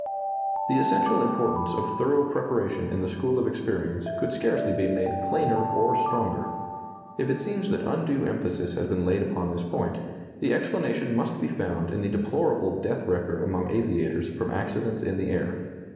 The essential importance of thorough preparation in the school of experience could scarcely be made plainer or stronger. If it seems that undue emphasis has been laid upon this point, the explanation must be found in the deplorable death record among aviators from accidents in the air.